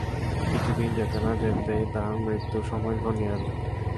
কিছুদিন যেতে না যেতেই তার মৃত্যুর সময় ঘনিয়ে এল।